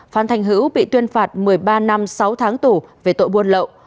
phan thành hữu bị tuyên phạt một mươi ba năm sáu tháng tù về tội buôn lậu